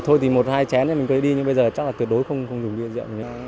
thôi thì một hai chén thì mình có thể đi nhưng bây giờ chắc là tuyệt đối không dùng viên rượu